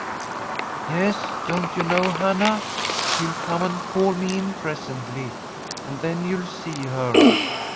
'Yes, don't you know Hannah? She'll come and call me in presently, and then you'll see her.